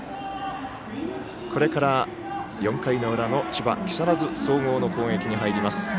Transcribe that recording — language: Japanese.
これから４回の裏の千葉・木更津総合の攻撃に入ります。